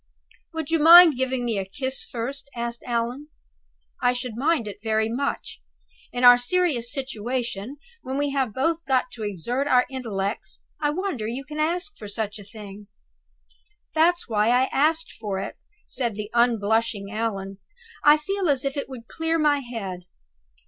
"Would you mind giving one a kiss first?" asked Allan. "I should mind it very much. In our serious situation, when we have both got to exert our intellects, I wonder you can ask for such a thing!" "That's why I asked for it," said the unblushing Allan. "I feel as if it would clear my head."